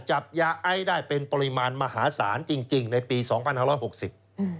จับยาไอได้เป็นปริมาณมหาศาลจริงจริงในปีสองพันห้าร้อยหกสิบอืม